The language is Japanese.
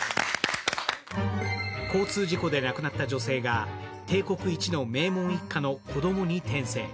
交通事故で亡くなった女性が帝国一の名門一家の子供に転生。